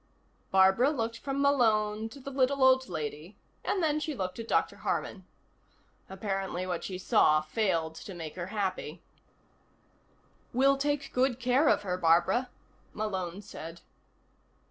Barbara looked from Malone to the little old lady, and then she looked at Dr. Harman. Apparently what she saw failed to make her happy. "We'll take good care of her, Barbara," Malone said.